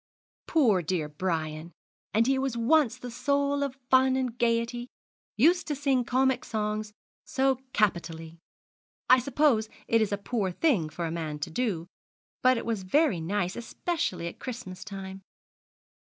'Poor dear Brian! and he was once the soul of fun and gaiety used to sing comic songs so capitally. I suppose it is a poor thing for a man to do, but it was very nice, especially at Christmas time.